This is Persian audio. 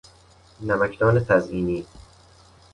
نمکدان تزئینی